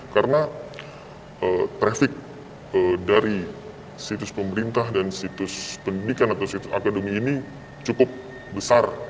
karena traffic dari situs pemerintah dan situs pendidikan atau situs akademi ini cukup besar